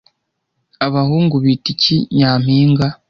Abahungu bita iki Nyampinga